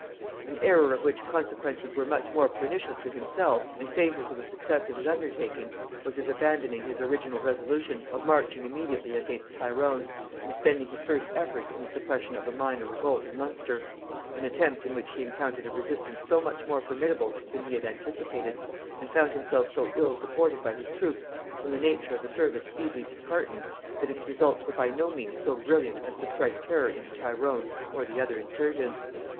An error of which the consequences were much more pernicious to himself, and fatal to the success of his undertaking, was his abandoning his original resolution of marching immediately against Tyrone, and spending his first efforts in the suppression of a minor revolt in Munster: an attempt in which he encountered a resistance so much more formidable than he had anticipated, and found himself so ill supported by his troops, whom the nature of the service speedily disheartened, that its results were by no means so brilliant as to strike terror into Tyrone or the other insurgents.